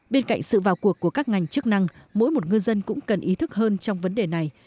bên cạnh sự vào cuộc của các ngành chức năng mỗi một ngư dân cũng cần ý thức hơn trong vấn đề này